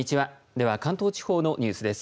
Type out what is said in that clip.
では、関東地方のニュースです。